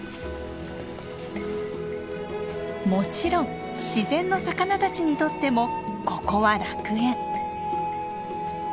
もちろん自然の魚たちにとってもここは楽園。